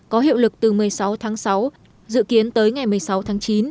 có hiệu lực từ một mươi sáu tháng sáu dự kiến tới ngày một mươi sáu tháng chín